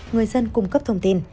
người dân cung cấp thông tin